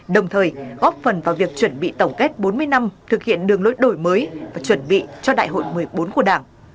đồng thời góp phần vào việc chuẩn bị tổng kết bốn mươi năm thực hiện đường lối đổi mới và chuẩn bị cho đại hội một mươi bốn của đảng